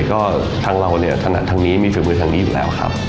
ก็ทางเราเนี่ยถนัดทางนี้มีฝีมือทางนี้อยู่แล้วครับ